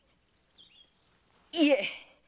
いえ！